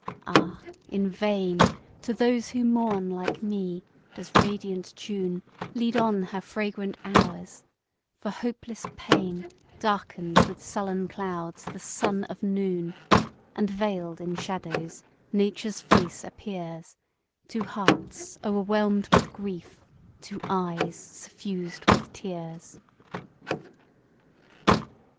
Ah! in vain To those who mourn like me, does radiant June Lead on her fragrant hours; for hopeless pain Darkens with sullen clouds the Sun of Noon, And veil'd in shadows Nature's face appears To hearts o'erwhelm'd with grief, to eyes suffused with tears.